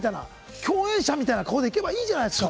共演者みたいな顔でいけばいいじゃないですか。